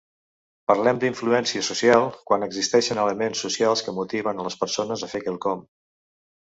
Parlem d'influència social quan existeixen elements socials que motiven a les persones a fer quelcom.